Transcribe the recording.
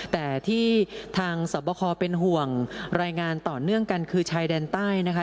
แต่ที่ทางสอบคอเป็นห่วงรายงานต่อเนื่องกันคือชายแดนใต้นะคะ